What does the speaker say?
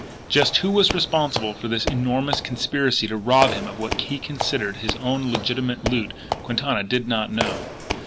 Just who was responsible for this enormous conspiracy to rob him of what he considered his own legitimate loot Quintana did not know.